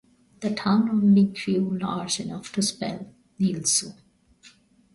The town only grew large enough to spell "Neilso".